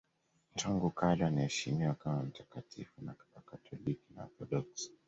Tangu kale anaheshimiwa kama mtakatifu na Wakatoliki na Waorthodoksi.